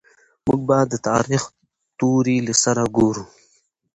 موږ به د تاريخ توري له سره ګورو.